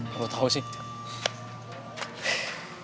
lo tau sih